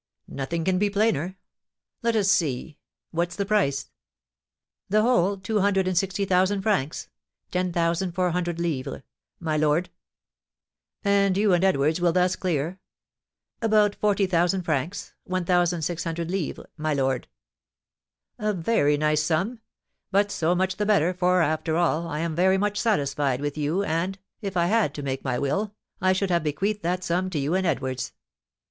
Nothing can be plainer! Let us see, what's the price?" "The whole, two hundred and sixty thousand francs (10,400_l._), my lord." "And you and Edwards will thus clear " "About forty thousand francs (1,600_l._), my lord." "A very nice sum! But so much the better, for, after all, I am very much satisfied with you, and, if I had to make my will, I should have bequeathed that sum to you and Edwards."